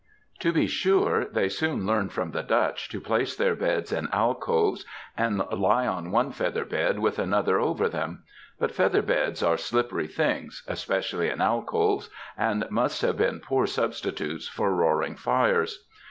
To be sure, they soon learned from the Dutch to place their beds in alcoves, and lie on one feather bed with another over them, but feather beds are slippery things, especially in alcoves, and must have been poor substitutes for roaring fires.